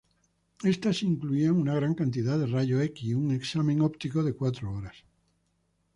Estas incluían una gran cantidad de rayos-X y un examen óptico de cuatro horas.